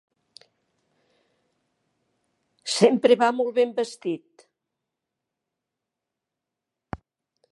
Sempre va molt ben vestit.